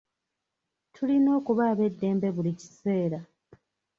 Tulina okuba ab'eddembe buli kiseera.